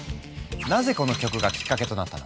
なぜこの曲がきっかけとなったのか。